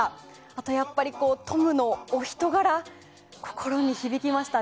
あとはやっぱりトムのお人柄心に響きました。